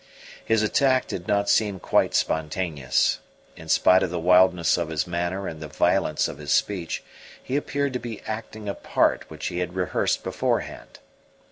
His attack did not seem quite spontaneous. In spite of the wildness of his manner and the violence of his speech, he appeared to be acting a part which he had rehearsed beforehand.